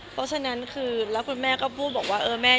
เพราะฉะนั้นคือแล้วคุณแม่ก็พูดบอกว่าเออแม่